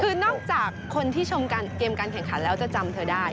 คือนอกจากคนที่ชมเกมการแข่งขันแล้วจะจำเธอได้